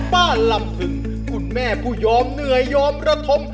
ลำพึงคุณแม่ผู้ยอมเหนื่อยยอมระทม